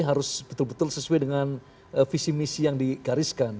harus betul betul sesuai dengan visi misi yang digariskan